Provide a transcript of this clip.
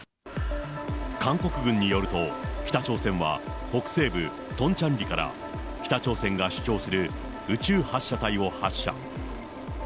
韓国軍によると、北朝鮮は北西部トンチャンリから北朝鮮が主張する宇宙発射体を発射。